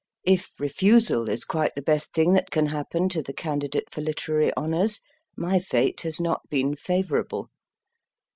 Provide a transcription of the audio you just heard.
If refusal is quite the best thing that can happen to the candidate for literary honours, my fate has not been favourable.